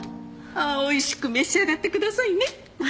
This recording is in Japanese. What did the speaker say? おいしく召し上がってくださいね。